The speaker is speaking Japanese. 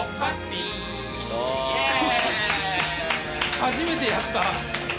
初めてやった！